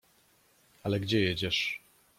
"Ale gdzie jedziesz?"